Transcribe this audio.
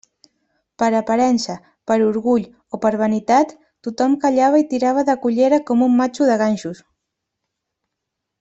Per aparença, per orgull o per vanitat, tothom callava i tirava de collera com un matxo de ganxos.